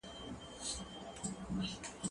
زه پرون لوبه کوم،